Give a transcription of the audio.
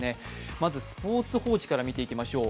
まず「スポーツ報知」から見ていきましょう。